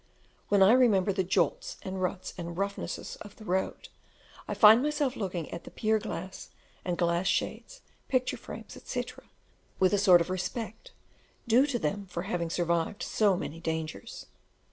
When I remember the jolts, and ruts, and roughnesses of the road, I find myself looking at the pier glass and glass shades, picture frames, etc., with a sort of respect, due to them for having survived so many dangers.